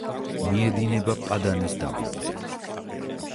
მიედინება პადანის დაბლობზე.